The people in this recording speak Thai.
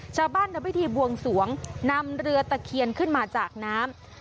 ทำพิธีบวงสวงนำเรือตะเคียนขึ้นมาจากน้ำ